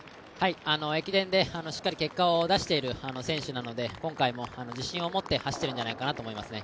駅伝でしっかり結果を出している選手なので今回も自信を持って走っているんじゃないかなと思いますね。